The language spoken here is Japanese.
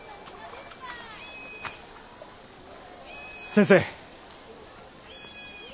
先生。